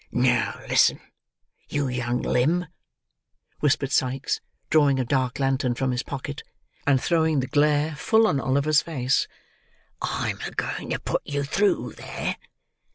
"Now listen, you young limb," whispered Sikes, drawing a dark lantern from his pocket, and throwing the glare full on Oliver's face; "I'm a going to put you through there.